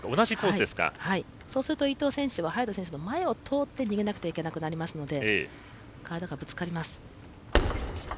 そうすると伊藤選手は早田選手の前を通って逃げなくてはいけなくなりますので体がぶつかります。